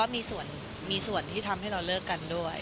มีส่วนที่ทำให้เราเลิกกันด้วย